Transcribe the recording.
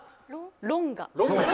「ロンガ」。